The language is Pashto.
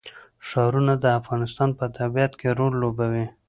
ښارونه د افغانستان په طبیعت کې رول لوبوي.